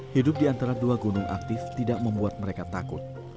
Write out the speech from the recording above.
hidup di antara dua gunung aktif tidak membuat mereka takut